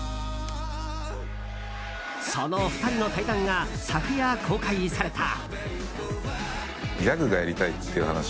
その２人の対談が昨夜公開された。